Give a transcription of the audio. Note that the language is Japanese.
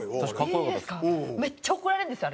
めっちゃ怒られるんですよ